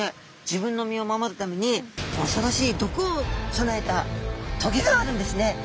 自分の身を守るためにおそろしい毒を備えたトゲがあるんですね。